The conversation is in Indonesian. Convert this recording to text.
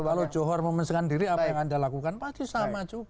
kalau johor memesan diri apa yang anda lakukan pasti sama juga